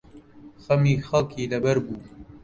خەمی خەڵکی لەبەر بوو